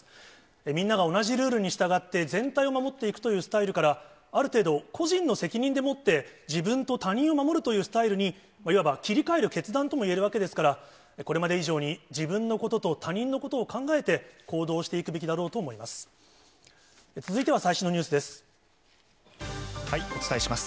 みんなが同じルールに従って、全体を守っていくというスタイルから、ある程度、個人の責任でもって、自分と他人を守るというスタイルに、いわば切り替える決断ともいえるわけですから、これまで以上に、自分のことと他人のことを考えて、行動していくべきだろうと思います。